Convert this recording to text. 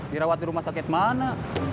dirawat di rumah sakit mana